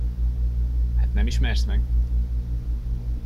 Hát nem ismersz meg?